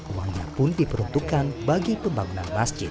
uangnya pun diperuntukkan bagi pembangunan masjid